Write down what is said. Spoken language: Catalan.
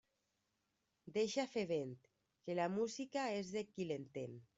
Deixa fer vent, que la música és de qui l'entén.